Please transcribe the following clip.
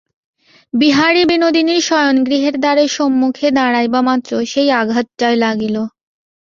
বিহারী বিনোদিনীর শয়নগৃহের দ্বারে সম্মুখে দাঁড়াইবামাত্র সেই আঘাতটাই লাগিল।